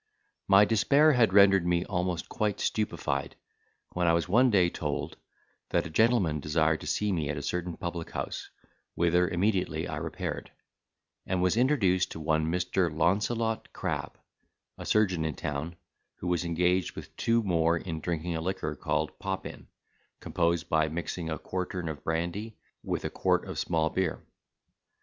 My despair had rendered me almost quite stupified, when I was one day told, that a gentleman desired to see me at a certain public house, whither immediately I repaired; and was introduced to one Mr. Launcelot Crab, a surgeon in town, who was engaged with two more in drinking a liquor called pop in, composed by mixing a quartern of brandy with a quart of small beer.